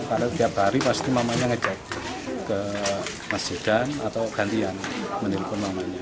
karena tiap hari pasti mamanya ngejek ke masjid atau gantian meniripun mamanya